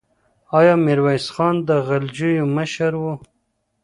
آیا میرویس خان د غلجیو مشر و؟